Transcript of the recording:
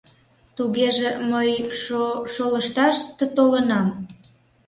— Тугеже... мый... шо-шолышташ т-толынам?